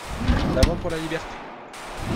En avant pour la Liberté!